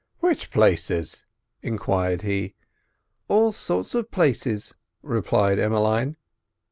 "Which places?" enquired he. "All sorts of places," replied Emmeline.